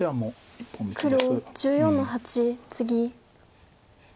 黒１４の八ツギ。